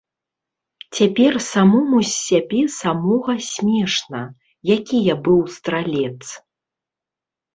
Цяпер самому з сябе самога смешна, які я быў стралец.